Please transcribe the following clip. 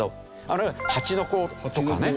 あるいは蜂の子とかね。